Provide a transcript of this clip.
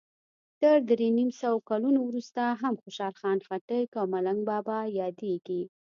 تر درې نیم سوو کلونو وروسته هم خوشال خټک او ملنګ بابا یادیږي.